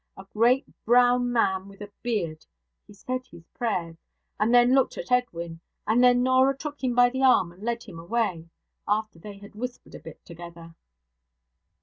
A great brown man with a beard. He said his prayers. And then looked at Edwin. And then Norah took him by the arm and led him away, after they had whispered a bit together.'